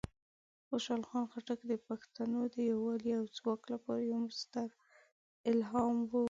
خوشحال خان خټک د پښتنو د یوالی او ځواک لپاره یوه ستره الهام وه.